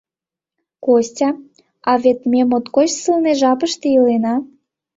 — Костя, а вет ме моткоч сылне жапыште илена.